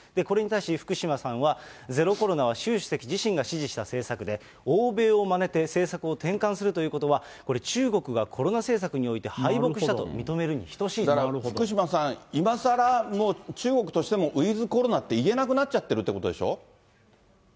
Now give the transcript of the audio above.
これに対し、福島さんは、ゼロコロナは習主席自身が指示した政策で、欧米をまねて政策を転換するということは、これ、中国がコロナ政策において敗北したとだから福島さん、いまさらもう、中国としてもウィズコロナって言えなくなっちゃってるってことでしょ？